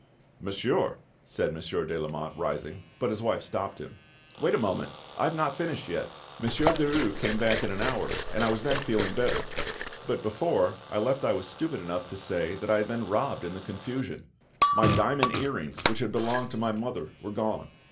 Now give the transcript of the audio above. "Monsieur—" said Monsieur de Lamotte, rising. But his wife stopped him. "Wait a moment; I have not finished yet. Monsieur Derues came back in an hour, and I was then feeling better; but before, I left I was stupid enough to say that I had been robbed in the confusion; my diamond earrings, which had belonged to my mother, were gone.